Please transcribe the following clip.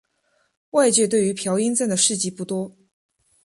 外界对于朴英赞的事迹不多。